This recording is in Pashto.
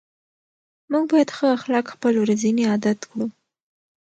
موږ باید ښه اخلاق خپل ورځني عادت کړو